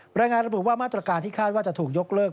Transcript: รายงานระบุว่ามาตรการที่คาดว่าจะถูกยกเลิก